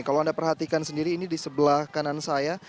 kalau anda perhatikan sendiri ini di sebelah kanan saya